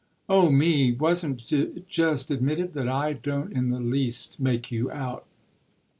"Oh 'me!' Wasn't it just admitted that I don't in the least make you out?"